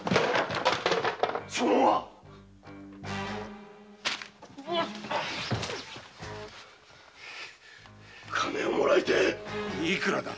証文は金をもらいてぇいくらだ？